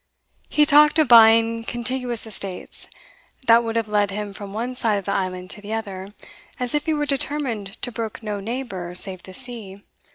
He talked of buying contiguous estates, that would have led him from one side of the island to the other, as if he were determined to brook no neighbour save the sea.